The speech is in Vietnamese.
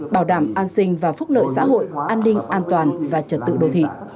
bảo đảm an sinh và phúc lợi xã hội an ninh an toàn và trật tự đô thị